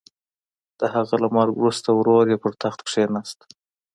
د هغه له مرګ وروسته ورور یې پر تخت کېناست.